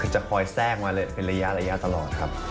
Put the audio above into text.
จะคอยแทรกมาเป็นระยะตลอดครับ